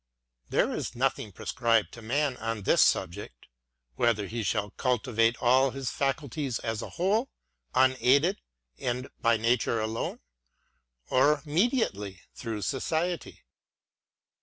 There is nothing prescribed to man on this subject; — whether he shall cultivate all his faculties as a whole, unaided and by nature alone ; or mediately through society.